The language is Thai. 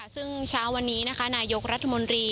ซึ่งเช้าวันนี้นะคะนายกรัฐมนตรี